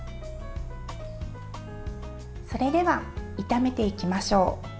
それでは炒めていきましょう。